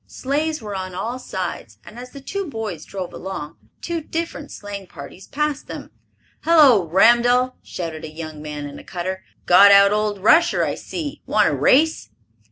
Sleighs were on all sides and, as the two boys drove along, two different sleighing parties passed them. "Hullo, Ramdell!" shouted a young man in a cutter. "Got out old Rusher, I see. Want a race?"